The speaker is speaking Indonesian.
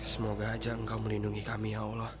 semoga aja engkau melindungi kami ya allah